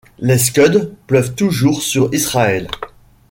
Les Scud pleuvent toujours sur Israël.